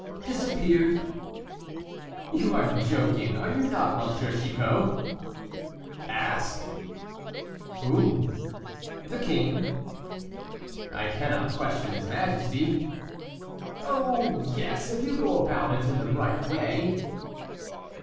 "Disappeared." "You are joking, are you not, M. Chicot?" "Ask!" "Whom?" "The king." "I cannot question his majesty." "Oh! yes, if you go about it in the right way."